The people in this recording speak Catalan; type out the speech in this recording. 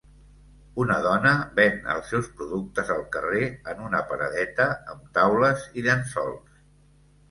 Una dona ven els seus productes al carrer en una paradeta amb taules i llençols.